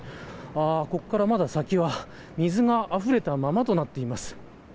ここからまだ先は、水があふれたままとなっています。